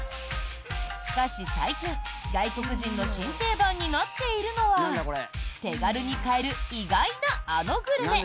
しかし最近、外国人の新定番になっているのは手軽に買える意外なあのグルメ！